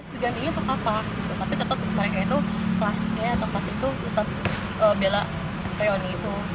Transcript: degantinya tetap apa tetap mereka itu kelas c atau kelas itu tetap bela reuni